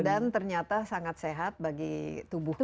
dan ternyata sangat sehat bagi tubuh kita